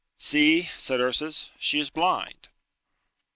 "See!" said Ursus. "She is blind."